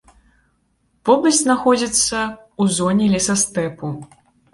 Вобласць знаходзіцца ў зоне лесастэпу.